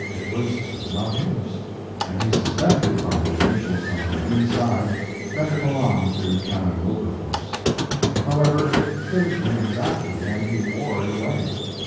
It was not his, and he suspected, by the initials on the inside, that it belonged to Canon Wilberforce. However, it fitted him exactly and he wore it away.